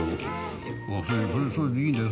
それでいいんだよ